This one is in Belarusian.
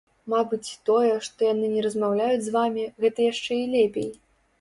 Мабыць, тое, што яны не размаўляюць з вамі, гэта яшчэ і лепей.